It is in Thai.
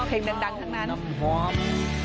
เพลงดังทั้งนั้น